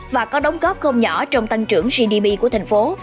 và có đóng góp không nhỏ trong tăng trưởng gdp của thành phố